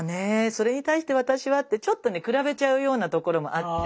それに対して私はってちょっとね比べちゃうようなところもあって。